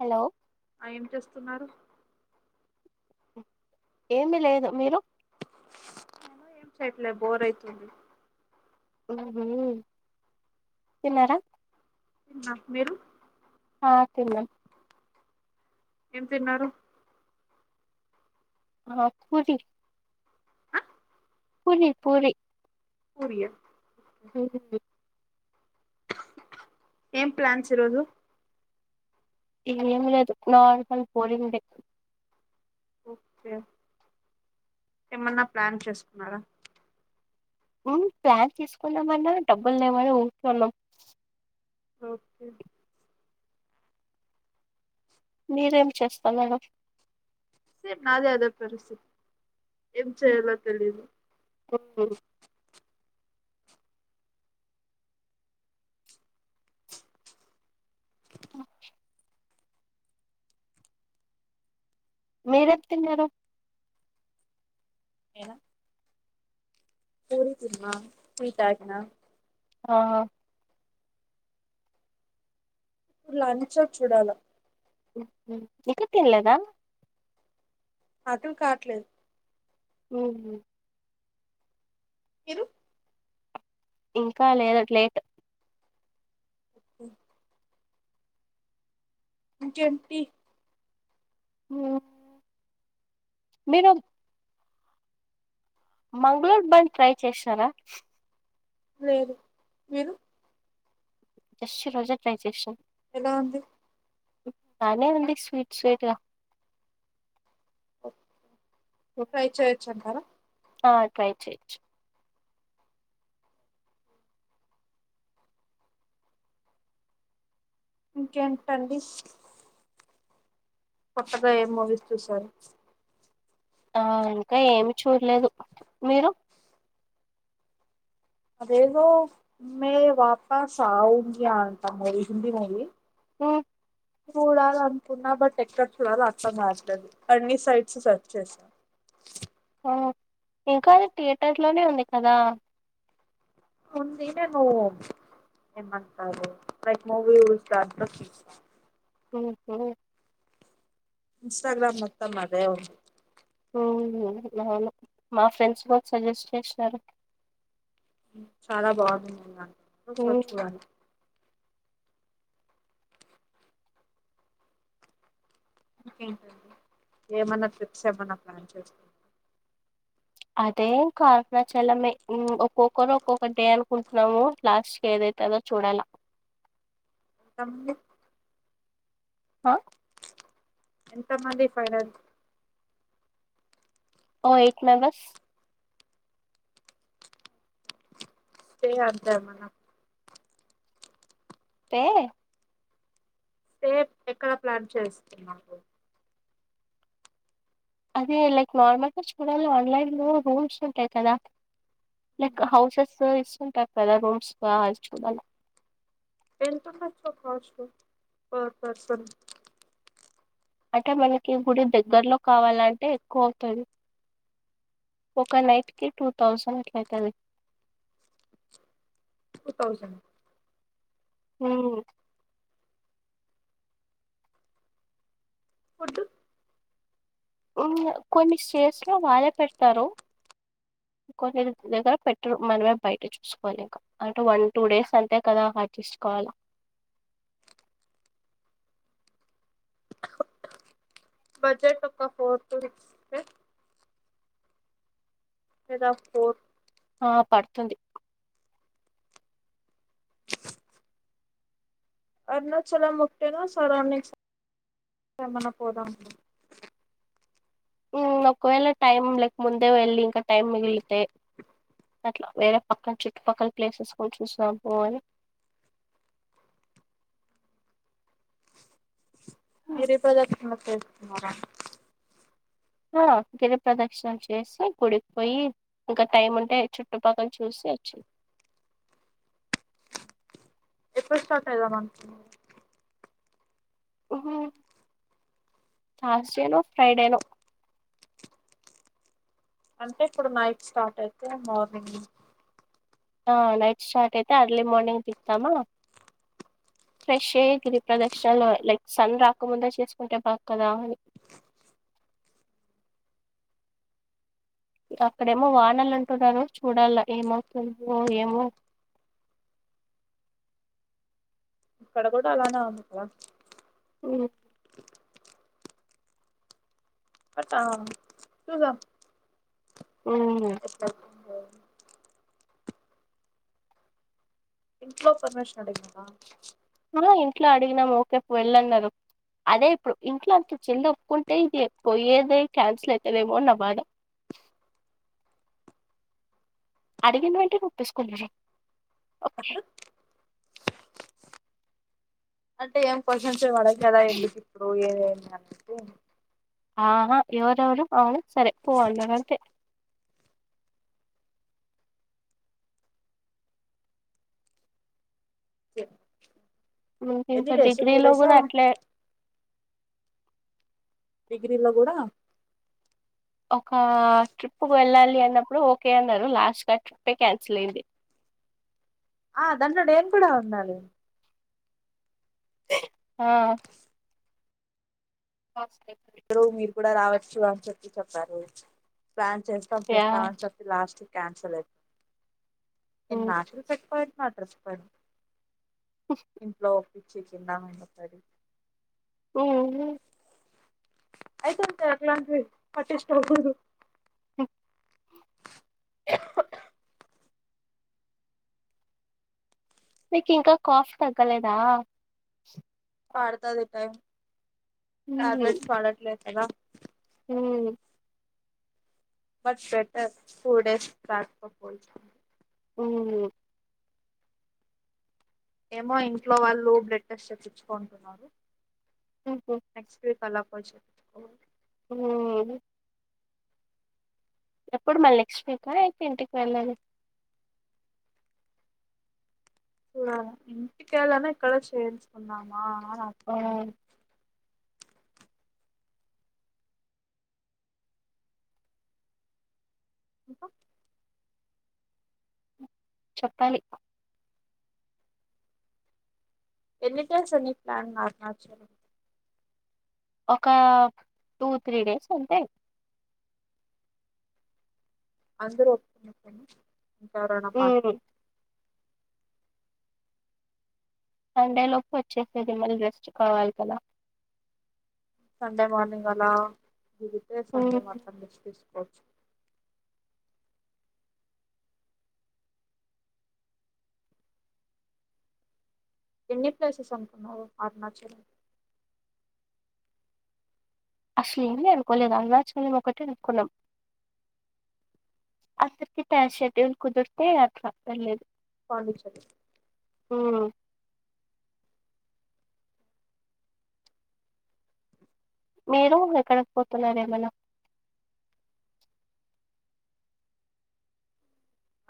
Hello ఆ ఏం చేస్తున్నారు ఏమీ లేదు మీరు ఏనా ఏం చేయట్లే బోర్ అయితుంది ఉహూ తిన్నారా న్నా మీరు ఆ తిన్నాం ఏం తిన్నారు ఆ పూది ఆ పూరి పూరి పూరియ అ ఏం ప్లాన్స్ ఇరోజు ఏం లేదు నార్మల్ పోలింగ్ డే ఓకే ఏమన్నా ప్లాన్ చేసుకున్నారా ప్లాన్ తీసుకున్నామన్నా డబ్బులు లేమని ఊరకే ఉన్నాం ఓకే మీరేం చేస్తన్నరు సే నాది అదే పరిస్థితి ఏం చేయాలో తెలిదు ఓ మీరే తిన్నారు ఎలా పూరి తిన్నా పోయితాగనా ఆ ఇప్పు లంచం చూడాల ఇంక తిన్లేదా అర్థం కాట్లేదు ఉహూ ఇరు ఇంకా లేదు లేట్ క ఇంకేంటి ఉ మీరు మంగళూరు బన్ ట్రై చేసరా లేదు మీరు జస్ట్ రోజా ట్రాన్సెక్షన్ రాంది బానే ఉంది స్వీట్ స్వీట్గా ఓ ట్రై చేయచ్చ అక్కా ఆ ట్రై చెయ్ ఇంకేంటండి కొత్తగా ఏం మూవీస్ చూశారు ఆ ఇంకా ఏమి చూడలేదు మీరు అదేదో మే వాపస్ ఆంగంత మూవీ హంది మూవీ చూడాల అనుకున్నా బట్ ఎక్కడ చూడాలో అర్ధం కాట్లేదు అన్ని సైట్స్ సెర్చ్ చేసా ఉహు ఇంకా అది థియేటర్స్ లోనే ఉంది కదా ఉంది ఈన్నే నువ్ ఏమంటున్నారు క్ మూవి ఉంట ఆ ఇన్స్టాగ్రామ్ మొత్తం అదే ఉంది అవును మా ఫ్రెండ్స్ కూడా సజెస్ట్ చేసినారు చాలా బాగుంది అని స్ ఉమ్, చూడి ఇంకేంటండి ఏమన్నా ట్రిప్స్ ఏమన్నా ప్లాన్ చేసుంటా అదేం ఇంక అరుణాచలమే ఒక్కొక్కరు ఒక్కొక్క డే అనుకుంటున్నాము లాస్ట్ కీ ఏద తదొ చూడాల అ హా ఎంత మంది ఫైనల్ ఓ ఎయిట్ మెంబర్స్ సే అంతామ్మనా ఏ సేఫ్ ఎక్కడ ప్లాన్ చేస్తున్నాము అదే లైక్ నార్మల్ గా చూడాల ఆన్లైన్ లో రూల్స్ ఉంటాయి కదా లైక్ హౌసెస్ ఇస్తుంటారు కదా రూమ్స్ కా చూడాలి దేనికో కాస్ట్ ప పర్సన్ అంటే మనకి గుడి దగ్గరలో కావాలంటే ఎక్కువ అవుతుంది ఒక నైట్ కి టూ థౌజండ్ అట్ల అయితది టూ థౌసండ్ హూ ఫుడ్ కొన్ని స్టేస్ లో వారే పెడతారు దగ్గర పెట్టరు మనమే బయట చూసుకోవాలి ఇంక అంటే వన్ టూ డేస్ అంతే కదా అడ్జస్ట్ కవాలి వాల్ బడ్జెట్ ఒక ఫోర్ టు సిక్స్ కే ఫద ఫోర్ ఆ పడుతుంది అరుణాచలం ఒకటేనా సరౌండింగ్స్ రమన పోదామా ఒకవేళ టైం లేక ముందే వెళ్ళి ఇంకా టైం మిగిలితే అట్లా వేరే పక్కన చుట్టుపక్కల ప్లేసెస్ కూడా చూసాము అని [unintelligible] ఆ గిరి ప్రదక్షిణ చేసి గుడికిపోయి ఇంకా టైం ఉంటే చుట్టుపక్కల చూస్ కొచు ఎప్పుడు స్టార్ట్ అయిదాం అనుకునావ్ తర్సడేనో ఫ్రైడెనో అంటే ఇప్పుడు నైట్ స్టార్ట్ అయితే మార్నింగ్ ఆ నైట్ స్టార్ట్ అయితే అర్లీ మార్నింగ్ దిగుతామ ఫ్రెష్ అయ్యి గిరి ప్రదక్షణలో లైక్ సన్ రాకముందే చేసుకుంటే పక్క అక్కడేమో వానలు అంటున్నారు చూడాల ఏమయితుందో ఏమో ఇక్కడ కూడా అలానే అనుకో ఉమ్ పట్టా చూగా ఉమ్ ఇంట్లో పర్మిషన్ అడిగిందా ఆ ఇంట్లో అడిగినాం ఓకే వెళ్ళన్నారు అదే ఇప్పుడు ఇంట్లోంకి చెల్లి ఒప్పుకుంటే ఇది ఎప్పు పోయేది క్యాన్సల్ అవుతుందేమో అని నా బాధ అడిగినవేంటనే ఒపేసుకునారా అంటే ఏం క్వశ్చన్స్ అడగరు కదా ఎందుకు ఇప్పుడు ఏమని ఆహా ఎవరెవరూ సరే పోవలేకే ఎన్ని ఇంకా డేస్ టూ డిగ్రీలో డేస్ కూడా అట్లే డిగ్రీలో కూడా ఒక ట్రిప్కు వెళ్ళాలి అన్నప్పుడు ఓకే అన్నారు లాస్ట్గా కి ఆ ట్రిపే క్యాన్సిల్ అయింది ఆ దాంట్లో డ్రోన్ కూడా ఉండాలి ఆ నే ఇద్దరు మీరు కూడా రావచ్చు అని చెప్పి చెప్పారు ప్లాన్ చేస్తాం యా చేస్తామ అని చెప్పి లాస్ట్ క్యాన్సిల్ అయింది ఎన్ని హ్మ్ మాటలు చేపరు అడ్రెస్పోన్ ఇంట్లో ఓపించిచినం ఈసరి అవ్ను అయితే ఇంకా అట్లాంటివ్ అటు పోకూడదు ఓ మీకు ఇంకా కాఫ్ తగ్గలేదా పడతాదిపై హ్మ్ టాబ్లేట్స్ వాడట్లే కద ఉమ్ బట్ బెటర్ ఫూర్ డేస్ టక్ పోయి ఉ ఏమో ఇంట్లో వాళ్ళు బ్లడ్ టెస్ట్ తెప్పించుకుంటున్నారు నెక్స్ట్ వీక్ అలా పోచ్ హూ ఎప్పుడు మళ నెక్స్ట్ వీకా అయితే ఇంటికి వెళ్ళాలి ఇంటింటికాలనా ఇక్కడ చేేల్కున్నామా నా ఆ! ఇంకా చెప్పాలి ఎన్నిటస్ అని ప్లాన్ మార్ణచ ఒక టూ త్రీ డేస్ ఉంటే అందరూ ఒప్పుని ఉంటారు నా పార్టీ హ్మ్. సండేలోపు వచ్చేసేది మళ్ళి రెస్ట్ కావాలి కదా సండే మార్నింగ్ అలా దిగితే సండే హ్మ్. మటం నుంచి తీసుకోచ్చ ఎన్ని ప్లేసెస్ అంటున్నావు అరుణాచల్ అసలు ఏమి అనుకోలేదు అరుణాచలం ఒకటే అనుకున్నాం అసకితే టైమ్ షెడ్యూల్ కుదుర్తే అట్ల వెల్లేద్ పాండిచర్రి మీరు ఎక్కడికి పోతున్నరు ఏమన్నా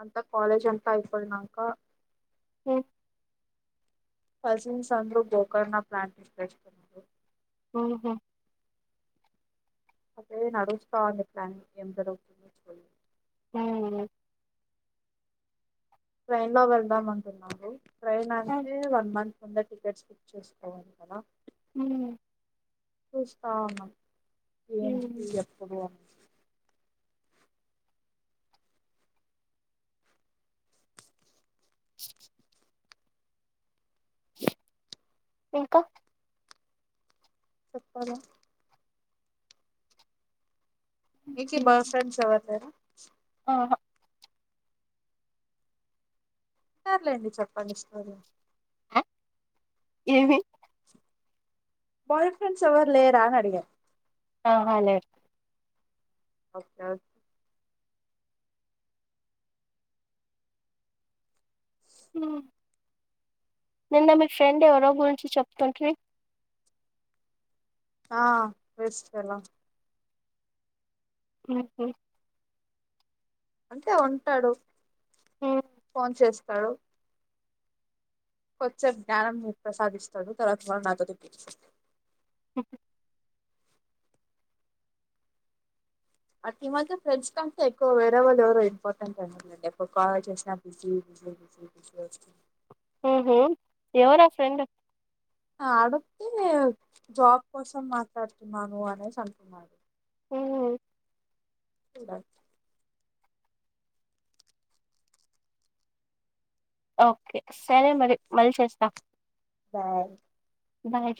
అంతా కాలేజ్ అంతా అయిపోయినంక హ్మ్. కజిన్స్ అందరూ గోకర్ నా ప్లాట్ ప్రేస్ ఊహు అదే నడుస్తాంది పలాని ఏం జరుగుతుంది హ్మ్. ట్రైన్ లో వెళ్దాం అంటున్నాము ట్రైన్ హ్మ్. అంటే వన్ మంత్ ఉంద టికెట్స్ బుక్ చేసుకోవాలి కదా ఉ చూసుకోవాలా హ్మ్. ఏంటికి ఎప్పుడు ఇంకా సొప్పాలి మీకీ బాయ్ ఫ్రెండ్స్ ఎవర్ లేరా ఆహా సర్లేండి చెప్పండి స్టోరీ ఏవి బాయ్ ఫ్రెండ్స్ ఎవరు లేరా అని అడిగా ఆహాలే వొద్దా ఉ నిన్న మీ ఫ్రెండ్ ఎవరో గురించి చెప్తుంటీ ఆ వేస్ట్ పెళ్ళాం ఆఓ అంటే ఉంటాడు ఫోన్ చేస్తడు కొచ్చేసేపు జ్ఞానం ప్రసాదిస్తాడు తర్వాత వాళ్ళ నాతో తె ఓకే అట్ ఇ మాకే ఫ్రెండ్స్ కంటే ఎక్కువ వేరే వాళ్ళు ఎవరు ఇంపార్టెంట్ అన్నట్ అండి ఎవరు కాల్ చేసిన బి జస్ ఉహుమ్ ఎవరా ఫ్రెండ్ అడుగితే నే జాబ్ కోసం మాట్లాడుతున్నాను అనేసి అంటున్నాడు చూడాలి ఓకే సరే మరి మళ్ళీ చేస్తా బాయ్ బాయ్